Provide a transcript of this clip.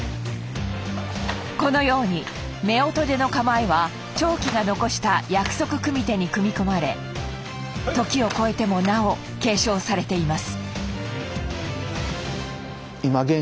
このように夫婦手の構えは朝基が残した約束組手に組み込まれ時を超えてもなお継承されています。